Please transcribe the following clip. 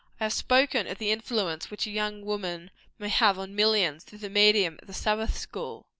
I have spoken of the influence which a young woman may have on millions through the medium of the Sabbath school.